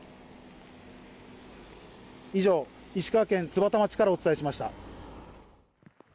以上、石川県津幡町からお伝えしました。